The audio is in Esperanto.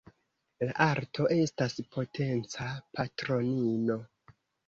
La Arto estas potenca patronino.